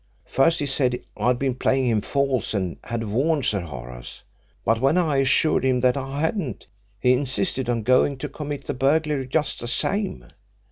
First he said I'd been playing him false and had warned Sir Horace, but when I assured him that I hadn't he insisted on going to commit the burglary just the same.